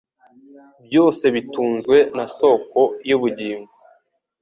byose bitunzwe na Soko y'ubugingo.